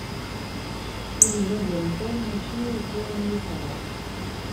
Ilel Agrakal mačči yiwet iwumi yeḥḍer.